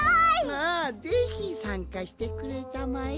ああぜひさんかしてくれたまえ。